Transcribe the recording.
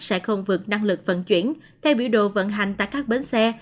sẽ không vượt năng lực vận chuyển thay biểu đồ vận hành tại các bến xe